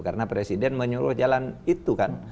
karena presiden menyuruh jalan itu kan